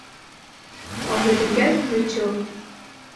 А ў гэтым яйку жыццё.